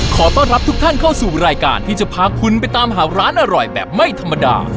ขอต้อนรับทุกท่านเข้าสู่รายการที่จะพาคุณไปตามหาร้านอร่อยแบบไม่ธรรมดา